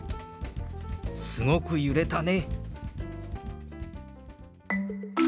「すごく揺れたね」。